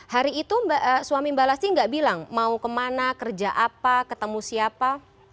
hari itu suami mbak lasti nggak bilang mau kemana kerja apa ketemu siapa